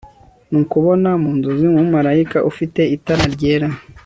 nukubona mu nzozi umumarayika ufite itara ryera